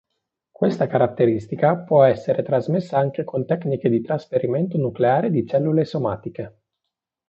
Questa caratteristica può essere trasmessa anche con tecniche di trasferimento nucleare di cellule somatiche.